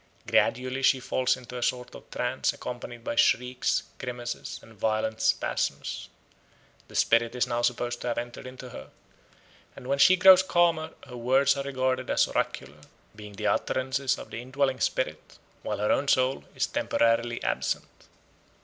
Gradually she falls into a sort of trance accompanied by shrieks, grimaces, and violent spasms. The spirit is now supposed to have entered into her, and when she grows calmer her words are regarded as oracular, being the utterances of the indwelling spirit, while her own soul is temporarily absent.